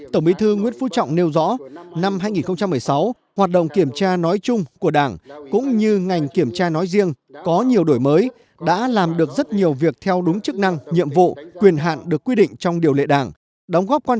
tổng bí thư nguyễn phú trọng đã đến thăm khu du lịch khai long tổng bí thư nguyễn phú trọng đã nghe báo cáo phương án đầu tư cảng nước sâu hòn khoai dự án điện gió khai long